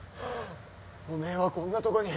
おめえはこんなとこに。